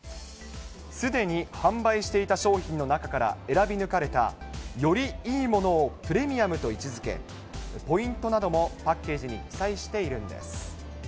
すでに販売していた商品の中から選び抜かれたよりいいものをプレミアムと位置づけ、ポイントなどもパッケージに記載しているんです。